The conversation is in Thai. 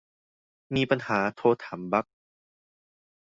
มีปัญหาโทรถามบั๊ก